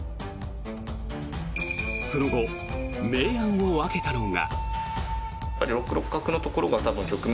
その後、明暗を分けたのが。